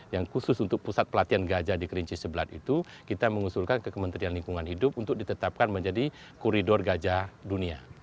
yang khusus untuk pusat pelatihan gajah di kerinci sebelat itu kita mengusulkan ke kementerian lingkungan hidup untuk ditetapkan menjadi koridor gajah dunia